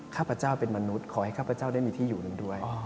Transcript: ข้าพเจ้าเป็นมนุษย์ขอให้ข้าพเจ้าได้มีที่อยู่นั้นด้วย